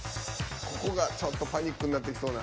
ここがちょっとパニックになってきそうな。